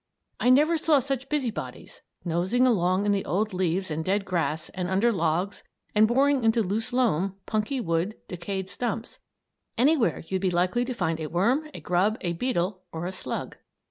I never saw such busy bodies; nosing about in the old leaves and dead grass and under logs and boring into loose loam, punky wood, decayed stumps anywhere you'd be likely to find a worm, a grub, a beetle, or a slug.